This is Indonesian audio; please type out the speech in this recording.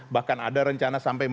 bahkan ada rencana sampai